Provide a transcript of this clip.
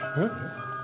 えっ？